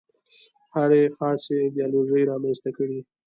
هرې خاصه ایدیالوژي رامنځته کړې.